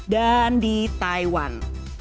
dan di taiwan